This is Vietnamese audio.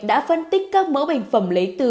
đã phân tích các mẫu bệnh phẩm lấy từ